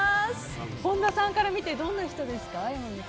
本田さんから見て山口さんはどんな人ですか？